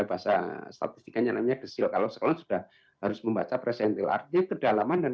bahasa statistikanya namanya kecil kalau sekarang sudah harus membaca presentil arti kedalaman dan